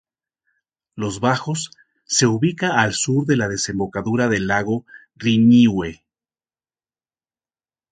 Los Bajos se ubica al sur de la desembocadura del Lago Riñihue.